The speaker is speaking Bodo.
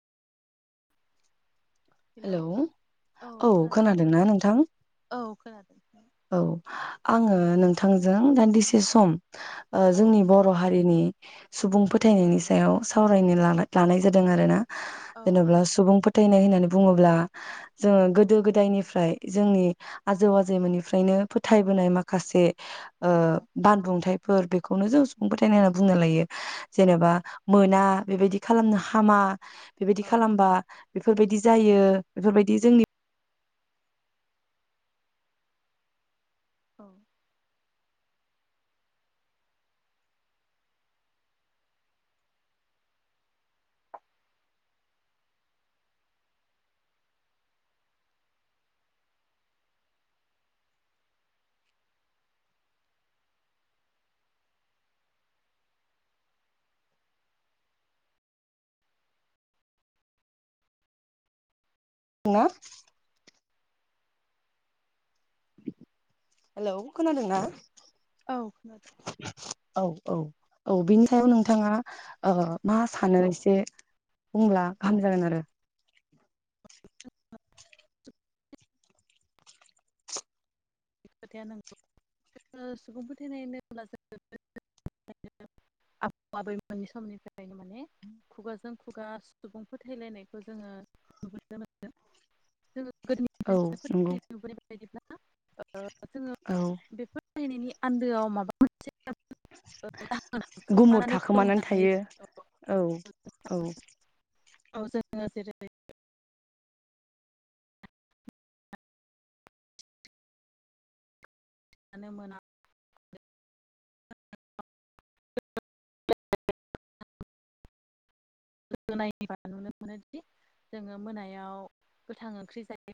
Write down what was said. हेलौ औ खोनादों खोनादोंना नोंथां औ खोनादों। औ आङो नोंथांजों दान्दिसे सम ओ औ जोंनि बर' हारिनि सुबुं फोथायनायनि सायाव सावरायनो ला लानाय जादों आरो ना। औ औ जेनेबा सुबुं फोथायनाय होन बुंङोब्ला जोंङो औ गोदो गोदायनिफ्राय जोंनि आजौ आजैमोननि फ्रायनो फोथायबोनाय माखासे ओ बानबुंथायाइ फोर बेखौनो जों सुबुं फोथायनाय होनना बुंनो लायो। औ जेनेबा मोना ना बेबायदि खालामनो हामा। बेबायदि औ खालामबा बेफोरबायदि जायो बेफोरबायदि जोंनि औ ना? हेलौ खोनादोंना? औ खोनादों। औ औ औ बिनि सायाव नोंथांङा मा सानो एसे बुंब्ला गाहाम जागोन आरो। खोथाया नौगौ जोंङो सुबुं फोथायनाय होनब्ला जों आबौ आबैमोननि समनिफ्रायनो माने खुगाजों खुगा सुबुं फोथायलायनायखौ जोंङो नुनो मोनदों जोंङो औ नंगौ। ओ जोंङो औ बेफोर बायनायनि आन्दोआव माबा मोनसे जाहोन गुमुर खोमानानै दं थाखोमानानै होननानै थायो जों औ औ अह जोंङो जेरै जानो मोना [unintelligible] नायबा नुनो मोनोदि जोंङो मोनायाव गोथां ओंख्रि जायो